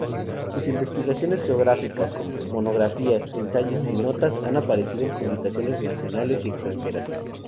Sus investigaciones geográficas, monografías, ensayos y notas han aparecido en publicaciones nacionales y extranjeras.